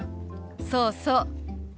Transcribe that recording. そうそう。